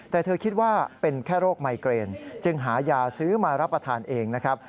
แต่เธอคิดว่าเป็นแค่โรคไมเกรนจึงหายาซื้อมารับประทานเองนะครับ